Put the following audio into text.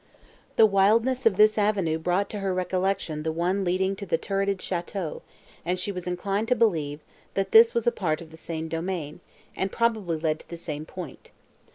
The wildness of this avenue brought to her recollection the one leading to the turreted château, and she was inclined to believe, that this was a part of the same domain, and probably led to the same point.